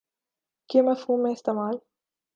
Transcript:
کے مفہوم میں استعمال